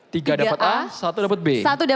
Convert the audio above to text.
tiga dapat a satu dapat b